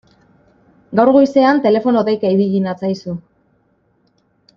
Gaur goizean telefono deika ibili natzaizu.